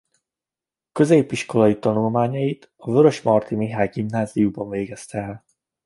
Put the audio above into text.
Középiskolai tanulmányait a Vörösmarty Mihály Gimnáziumban végezte el.